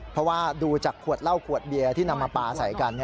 เพราะว่าดูจากขวดเหล้าขวดเบียร์ที่นำมาปลาใส่กัน